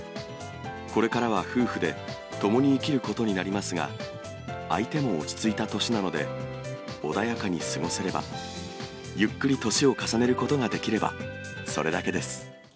これからは夫婦で、共に生きることになりますが、相手も落ち着いた年なので、穏やかに過ごせれば、ゆっくり年を重ねることができれば、それだけです。